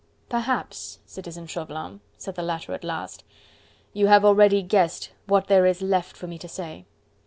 "Perhaps, Citizen Chauvelin," said the latter at last, "you have already guessed what there is left for me to say.